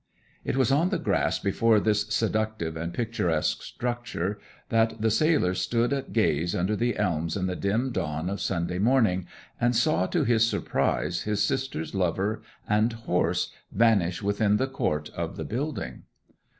It was on the grass before this seductive and picturesque structure that the sailor stood at gaze under the elms in the dim dawn of Sunday morning, and saw to his surprise his sister's lover and horse vanish within the court of the building.